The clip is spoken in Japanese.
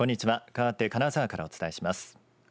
かわって金沢からお伝えします。